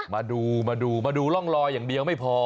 มาดูมาดูร่องรอยอย่างเดียวไม่พอ